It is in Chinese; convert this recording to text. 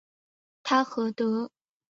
他何德何能受到诺贝尔委员会的青睐。